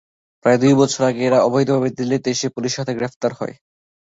প্রায় দুই বছর আগে এরা অবৈধভাবে দিল্লিতে এসে পুলিশের হাতে গ্রেপ্তার হয়।